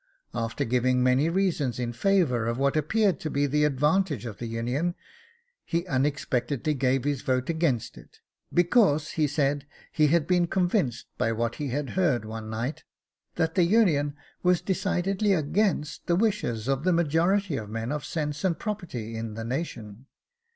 After giving many reasons in favour of what appeared to be the advantages of the Union, he unexpectedly gave his vote against it, because he said he had been convinced by what he had heard one night, that the Union was decidedly against the wishes of the majority of men of sense and property in the nation.